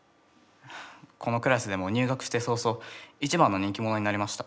このクラスでも入学して早々一番の人気者になりました。